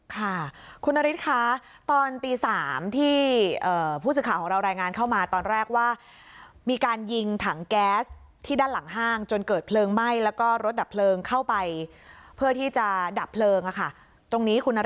ค่ะคุณนฤทธิ์คะตอนตี๓ที่ผู้สื่อข่าวของเรารายงานเข้ามาตอนแรกว่ามีการยิงถังแก๊สที่ด้านหลังห้างจนเกิดเพลิงไหม้แล้วก็รถดับเพลิงเข้าไปเพื่อที่จะดับเพลิงค่ะ